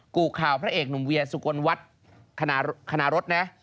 กู่ข่าวพระเอกหนุ่มเวียสุกลวัดคณรสนะ